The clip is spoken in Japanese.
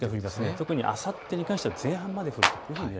特にあさってに関しては前半まで降ると。